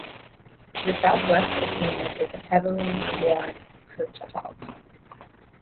To the southwest of Wiener is the heavily worn Kurchatov.